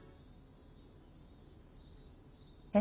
え。